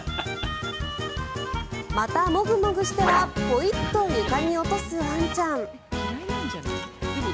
またモグモグしてはポイッと床に落とすワンちゃん。